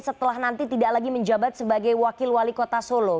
setelah nanti tidak lagi menjabat sebagai wakil wali kota solo